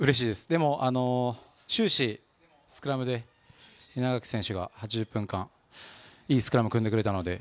でも、終始スクラムで稲垣選手が８０分間いいスクラムを組んでくれたので。